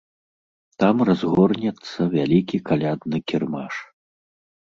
Там разгорнецца вялікі калядны кірмаш.